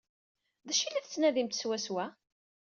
D acu ay la tettnadimt swaswa?